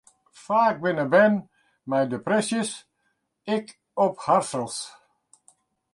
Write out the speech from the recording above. Faak binne bern mei depresje ek op harsels.